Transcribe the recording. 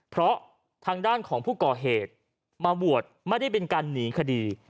เพราะทางด้านของผู้ก่อเหตุมาบวชไม่ได้เป็นการหนีคดี